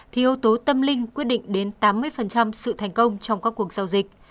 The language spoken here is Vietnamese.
thì yếu tố tâm linh quyết định đến tám mươi sự thành công trong các cuộc giao dịch